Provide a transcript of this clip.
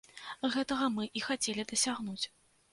Гэтага мы і хацелі дасягнуць.